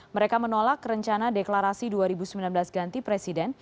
mereka menolak rencana deklarasi dua ribu sembilan belas ganti presiden